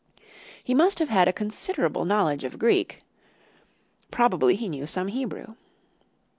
He must have had a considerable knowledge of Greek, probably he knew some Hebrew.